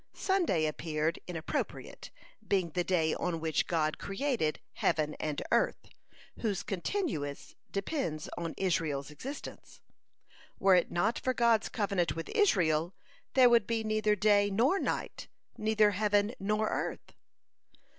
Sunday appeared inappropriate, being the day on which God created heaven and earth, whose continuance depends on Israel's existence. Were it not for God's covenant with Israel, there would be neither day nor night, neither heaven nor earth.